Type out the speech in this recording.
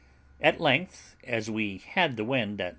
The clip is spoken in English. At length, as we had the wind at S.